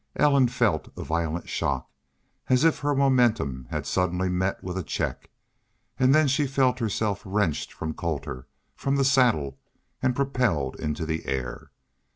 Ellen felt a violent shock, as if her momentum had suddenly met with a check, and then she felt herself wrenched from Colter, from the saddle, and propelled into the air.